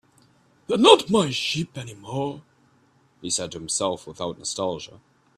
"They're not my sheep anymore," he said to himself, without nostalgia.